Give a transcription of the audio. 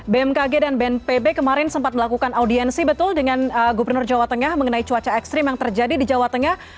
bmkg dan bnpb kemarin sempat melakukan audiensi betul dengan gubernur jawa tengah mengenai cuaca ekstrim yang terjadi di jawa tengah